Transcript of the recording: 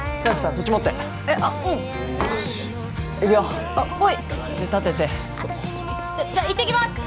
そっち持ってえっあっうん行くよあっほい立ててそうじゃ行ってきます！